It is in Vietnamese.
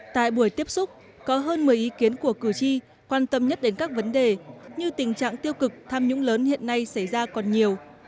tại buổi tiếp xúc có hơn một mươi ý kiến của cử tri quan tâm nhất đến các vấn đề như tình trạng tiêu cực tham nhũng lớn hiện nay xảy ra còn nhiều